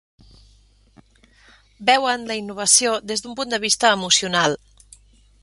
Veuen la innovació des d'un punt de vista emocional.